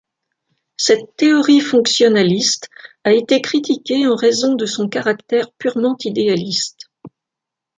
Cette théorie fonctionnaliste a été critiquée en raison de son caractère purement idéaliste.